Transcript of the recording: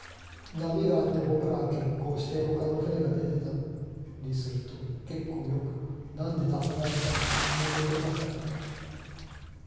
波があって、僕らは欠航して、ほかの船が出てたりすると、結構よく、なんで出さないんだって、もめてましたからね。